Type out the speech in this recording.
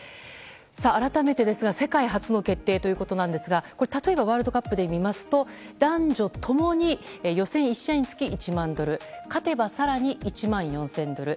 改めてですが世界初の決定ということですが例えばワールドカップで見ますと男女共に予選１試合につき１万ドル勝てば更に１万４０００ドル。